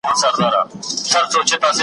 د ژوندون وروستی غزل مي پر اوربل درته لیکمه .